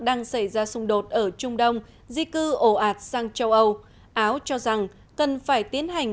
đang xảy ra xung đột ở trung đông di cư ồ ạt sang châu âu áo cho rằng cần phải tiến hành